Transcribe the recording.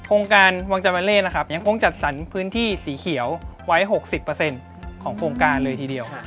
โครงการวังจาวาเล่นะครับยังคงจัดสรรพื้นที่สีเขียวไว้๖๐ของโครงการเลยทีเดียว